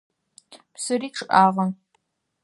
Псыри чъыӏагъэ.